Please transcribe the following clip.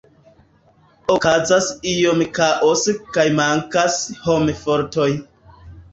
Okazas iom kaose kaj mankas homfortoj.